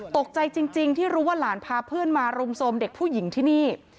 ตกใจจริงที่รู้ว่าหลานพาเพื่อนมารุมโทรมเด็กผู้หญิงที่นี่